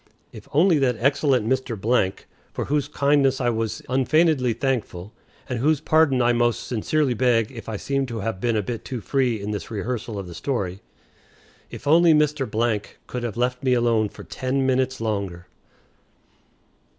If only that excellent Mr. , for whose kindness I was unfeignedly thankful (and whose pardon I most sincerely beg if I seem to have been a bit too free in this rehearsal of the story), if only Mr. could have left me alone for ten minutes longer!